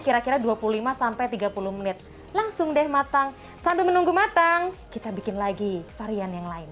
kira kira dua puluh lima sampai tiga puluh menit langsung deh matang sambil menunggu matang kita bikin lagi varian yang lain